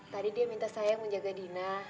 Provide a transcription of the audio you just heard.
tadi dia minta sayang menjaga dina